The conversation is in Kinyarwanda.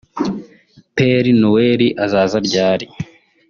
Père Noël azaza ryari